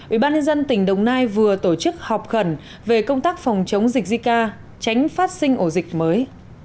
ubnd tỉnh đồng nai vừa tổ chức họp khẩn về công tác phòng chống dịch zika tránh phát sinh ổ dịch mới